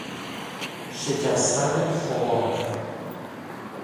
شکستن خمار